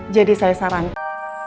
jadi saya sarankan